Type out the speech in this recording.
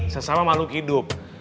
sesama makhluk hidup